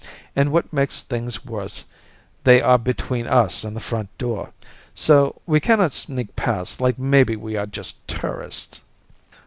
And what makes things worse, they are between us and the front door, so we cannot sneak past like maybe we are just tourists.